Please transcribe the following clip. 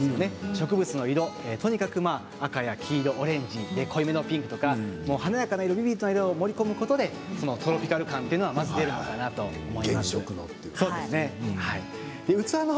植物の色赤や黄色、オレンジ濃いめのピンクとか華やかな海と色を織り込むことでトロピカル感が出るかなと思います。